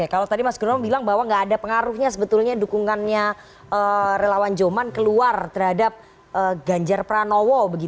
kalau tadi mas gerom bilang bahwa nggak ada pengaruhnya sebetulnya dukungannya relawan joman keluar terhadap ganjar pranowo